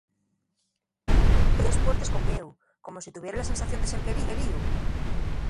Piesllo les puertes con mieu, como si tuviere la sensación de ser queríu.